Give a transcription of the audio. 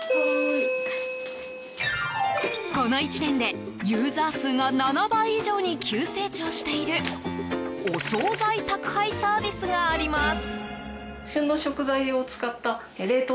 この１年でユーザー数が７倍以上に急成長しているお総菜宅配サービスがあります。